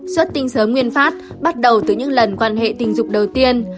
xuất tinh sớm nguyên phát bắt đầu từ những lần quan hệ tình dục đầu tiên